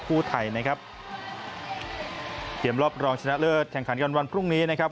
คู่ไทยนะครับเกมรอบรองชนะเลิศแข่งขันกันวันพรุ่งนี้นะครับ